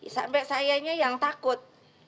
sampai sayanya yang takut